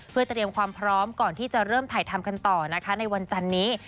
เพื่อเตรียมความพร้อมก่อนที่จะเริ่มถ่ายทำกันต่อนะคะในวันจันนี้